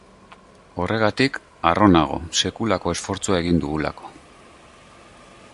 Horregatik, harro nago, sekulako esfortzua egin dugulako.